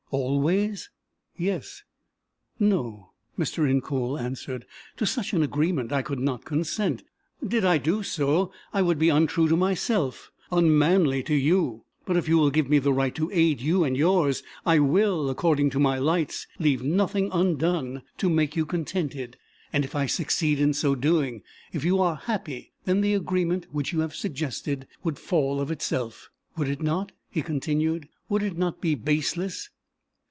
"Always?" "Yes." "No," Mr. Incoul answered, "to such an agreement I could not consent. Did I do so, I would be untrue to myself, unmanly to you. But if you will give me the right to aid you and yours, I will according to my lights leave nothing undone to make you contented; and if I succeed in so doing, if you are happy, then the agreement which you have suggested would fall of itself. Would it not?" he continued. "Would it not be baseless?